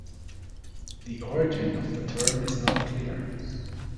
The origin of the term is not clear.